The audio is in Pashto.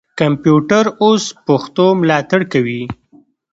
کمپیوټر اوس پښتو ملاتړ کوي.